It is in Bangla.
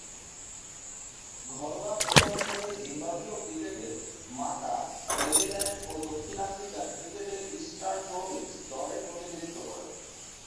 ঘরোয়া প্রথম-শ্রেণীর জিম্বাবুয়ীয় ক্রিকেটে মাতাবেলেল্যান্ড ও দক্ষিণ আফ্রিকান ক্রিকেটে ইস্টার্ন প্রভিন্স দলের প্রতিনিধিত্ব করেন।